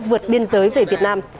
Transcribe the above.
vượt biên giới về việt nam